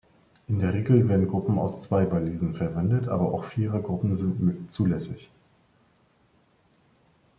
In der Regel werden Gruppen aus zwei Balisen verwendet, aber auch Vierergruppen sind zulässig.